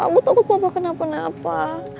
aku takut papa kenapa kenapa